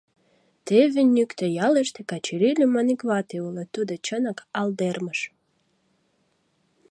Теве Нӱктӧ ялыште Качырий лӱман ик вате уло, тудо чынак алдермыж.